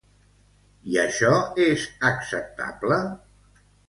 I això és acceptable?